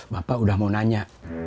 bapak udah mau nanya